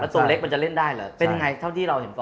ตัวเล็กมันจะเล่นได้เหรอเป็นยังไงเท่าที่เราเห็นก่อน